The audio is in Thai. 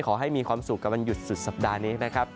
ขอให้มีความสุขกับวันหยุดสุดสัปดาห์นี้นะครับ